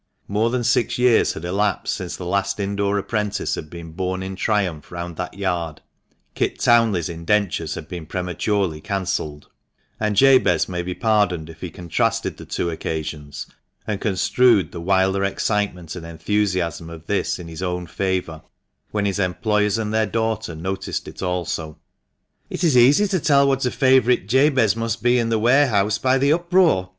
More than six years had elapsed since the last indoor apprentice had been borne in triumph round that yard (Kit Townley's indentures had been prematurely cancelled), and Jabez may be pardoned if he contrasted the two occasions, and construed the wilder excitement and enthusiasm of this in his own favour, when his employers and their daughter noticed it also. "It is easy to tell what a favourite Jabez must be in the warehouse, by the uproar.